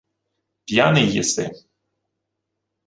— П'яний єси.